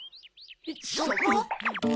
そこ？